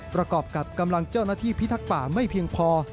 ประกอบกับกำลังเจ้าหน้าที่พิทักษ์ป่าไม่เพียงพอ